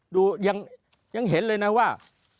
ดูยังเห็นเลยนะว่า